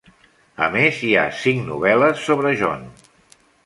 A més, hi ha cinc novel·les sobre John.